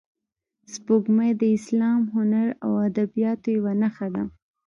سپوږمۍ د اسلام، هنر او ادبیاتو یوه نښه ده